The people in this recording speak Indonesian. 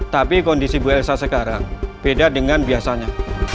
tapi kondisi bu elsa sekarang beda dengan biasanya